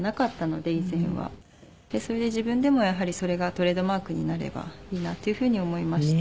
それで自分でもやはりそれがトレードマークになればいいなというふうに思いまして。